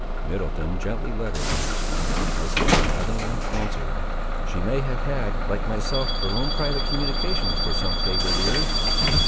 Middleton gently led her from the spot, as he smilingly answered— "She may have had, like myself, her own private communications for some favoured ear."